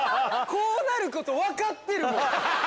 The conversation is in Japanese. こうなること分かってるもん！